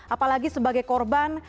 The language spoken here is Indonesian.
apalagi sebagai korban